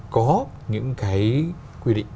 có những cái quy định